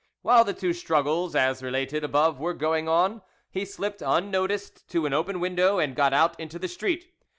While the two struggles as related above were going on, he slipped unnoticed to an open window and got out into the street.